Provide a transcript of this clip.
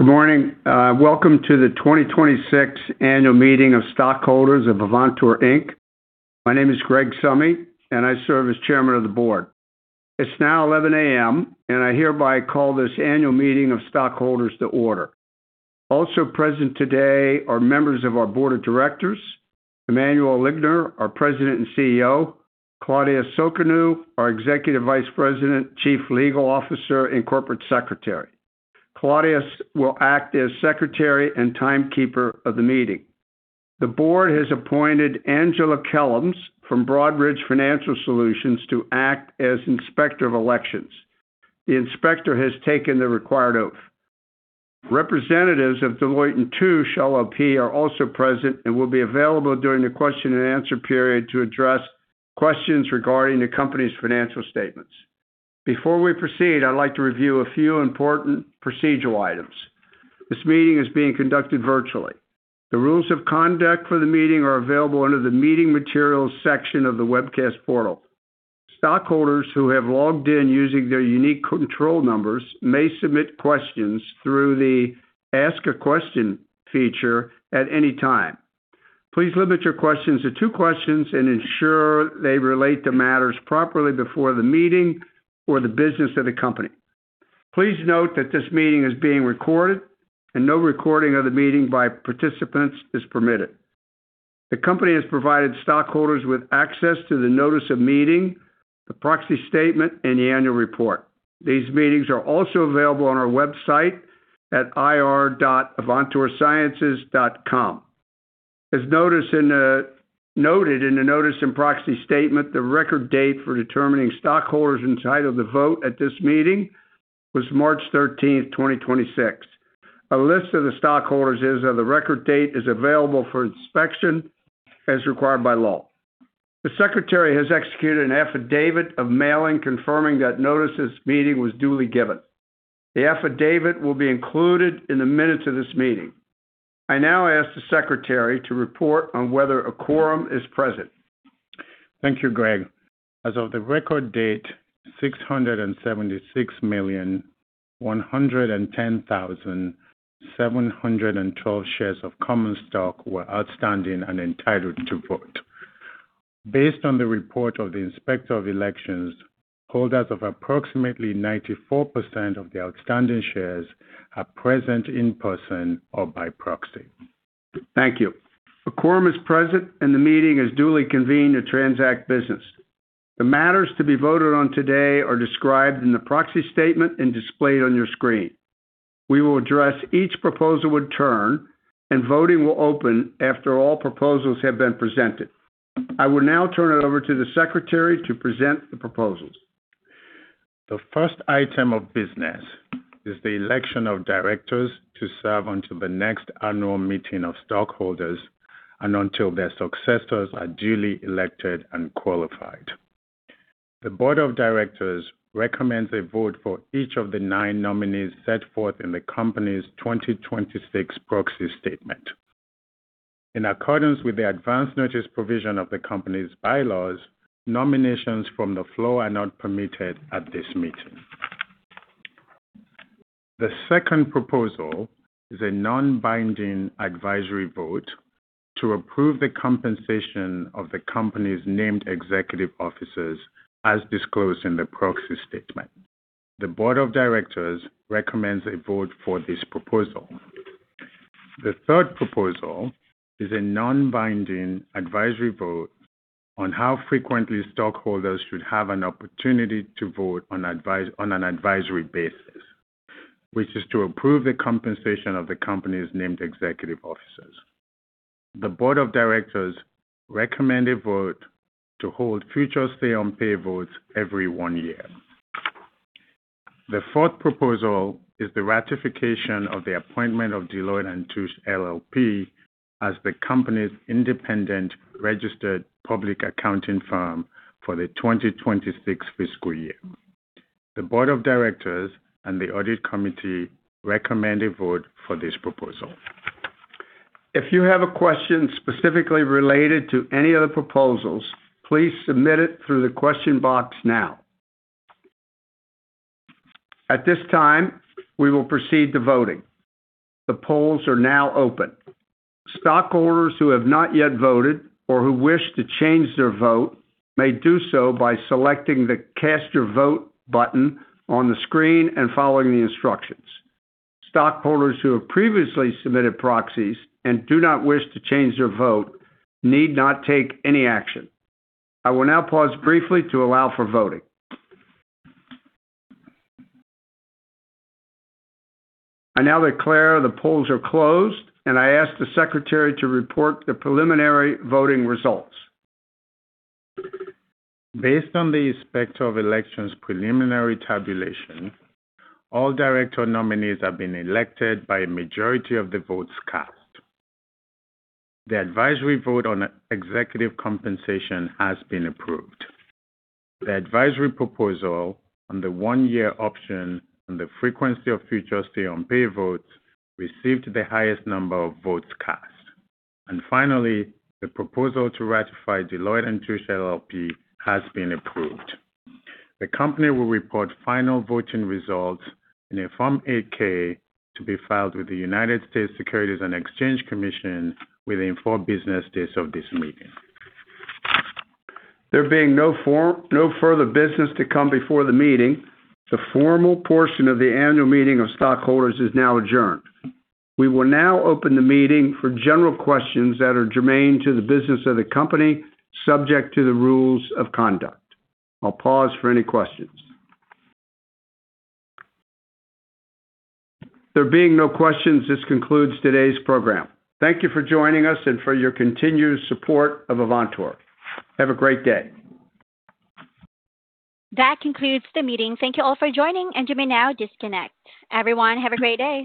Good morning. Welcome to the 2026 annual meeting of stockholders of Avantor, Inc. My name is Greg Summe, and I serve as Chairman of the Board. It's now 11:00 A.M., and I hereby call this annual meeting of stockholders to order. Also present today are members of our Board of Directors, Michael Stubblefield, our President and CEO, Claudius Sokenu, our Executive Vice President, Chief Legal Officer, and Corporate Secretary. Claudius will act as Secretary and Timekeeper of the meeting. The Board has appointed Angela Keelums from Broadridge Financial Solutions to act as Inspector of Elections. The Inspector has taken the required oath. Representatives of Deloitte & Touche LLP are also present and will be available during the question and answer period to address questions regarding the company's financial statements. Before we proceed, I'd like to review a few important procedural items. This meeting is being conducted virtually. The rules of conduct for the meeting are available under the Meeting Materials section of the webcast portal. Stockholders who have logged in using their unique control numbers may submit questions through the Ask a Question feature at any time. Please limit your questions to two questions and ensure they relate to matters properly before the meeting or the business of the company. Please note that this meeting is being recorded and no recording of the meeting by participants is permitted. The company has provided stockholders with access to the notice of meeting, the proxy statement, and the annual report. These meetings are also available on our website at ir.avantorsciences.com. As noted in the notice in proxy statement, the record date for determining stockholders entitled to vote at this meeting was March thirteenth, 2026. A list of the stockholders as of the record date is available for inspection as required by law. The secretary has executed an affidavit of mailing confirming that notice this meeting was duly given. The affidavit will be included in the minutes of this meeting. I now ask the secretary to report on whether a quorum is present. Thank you, Greg. As of the record date, 676,110,712 shares of common stock were outstanding and entitled to vote. Based on the report of the inspector of elections, holders of approximately 94% of the outstanding shares are present in person or by proxy. Thank you. A quorum is present, and the meeting is duly convened to transact business. The matters to be voted on today are described in the proxy statement and displayed on your screen. We will address each proposal in turn, and voting will open after all proposals have been presented. I will now turn it over to the secretary to present the proposals. The first item of business is the election of directors to serve until the next annual meeting of stockholders and until their successors are duly elected and qualified. The board of directors recommends a vote for each of the nine nominees set forth in the company's 2026 proxy statement. In accordance with the advance notice provision of the company's bylaws, nominations from the floor are not permitted at this meeting. The second proposal is a non-binding advisory vote to approve the compensation of the company's named executive officers as disclosed in the proxy statement. The board of directors recommends a vote for this proposal. The third proposal is a non-binding advisory vote on how frequently stockholders should have an opportunity to vote on an advisory basis, which is to approve the compensation of the company's named executive officers. The board of directors recommend a vote to hold future say-on-pay votes every one year. The fourth proposal is the ratification of the appointment of Deloitte & Touche LLP as the company's independent registered public accounting firm for the 2026 fiscal year. The board of directors and the audit committee recommend a vote for this proposal. If you have a question specifically related to any of the proposals, please submit it through the question box now. At this time, we will proceed to voting. The polls are now open. Stockholders who have not yet voted or who wish to change their vote may do so by selecting the Cast Your Vote button on the screen and following the instructions. Stockholders who have previously submitted proxies and do not wish to change their vote need not take any action. I will now pause briefly to allow for voting. I now declare the polls are closed, and I ask the secretary to report the preliminary voting results. Based on the inspector of election's preliminary tabulation, all director nominees have been elected by a majority of the votes cast. The advisory vote on executive compensation has been approved. The advisory proposal on the one-year option on the frequency of future say-on-pay votes received the highest number of votes cast. Finally, the proposal to ratify Deloitte & Touche LLP has been approved. The company will report final voting results in a Form 8-K to be filed with the United States Securities and Exchange Commission within four business days of this meeting. There being no further business to come before the meeting, the formal portion of the annual meeting of stockholders is now adjourned. We will now open the meeting for general questions that are germane to the business of the company, subject to the rules of conduct. I'll pause for any questions. There being no questions, this concludes today's program. Thank you for joining us and for your continued support of Avantor. Have a great day. That concludes the meeting. Thank you all for joining, and you may now disconnect. Everyone, have a great day.